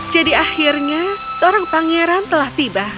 jadi akhirnya seorang pangeran telah tiba